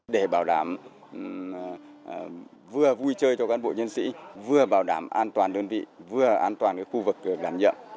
để bảo đảm vừa vui chơi cho cán bộ nhân sĩ vừa bảo đảm an toàn đơn vị vừa an toàn khu vực đảm nhiệm